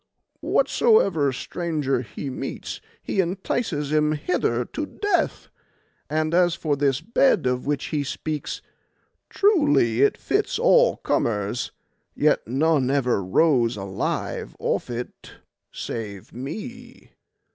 Whatsoever stranger he meets he entices him hither to death; and as for this bed of which he speaks, truly it fits all comers, yet none ever rose alive off it save me.